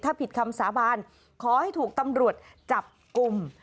ถ้าผิดคำสาบานขอให้ถูกตำรวจจับกลุ่ม